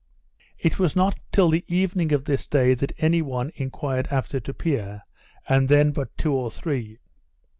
It was not till the evening of this day, that any one enquired after Tupia, and then but two or three.